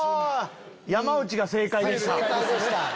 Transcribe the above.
山内が正解でした。